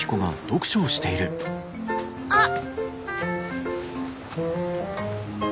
あっ。